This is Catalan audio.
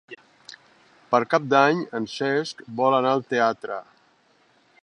Per Cap d'Any en Cesc vol anar al teatre.